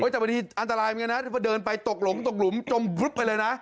แต่บางทีอันตรายเหมือนกันนะพอเดินไปตกหลงตกหลุมจมพลึบไปเลยนะ